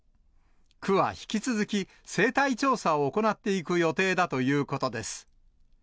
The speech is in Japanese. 区は引き続き、生態調査を行っていく予定だということです。